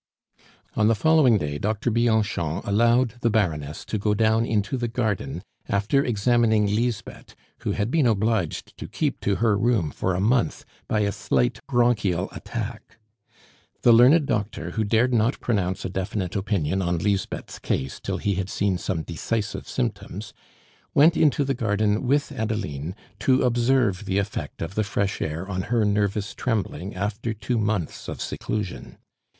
On the following day, Doctor Bianchon allowed the Baroness to go down into the garden, after examining Lisbeth, who had been obliged to keep to her room for a month by a slight bronchial attack. The learned doctor, who dared not pronounce a definite opinion on Lisbeth's case till he had seen some decisive symptoms, went into the garden with Adeline to observe the effect of the fresh air on her nervous trembling after two months of seclusion.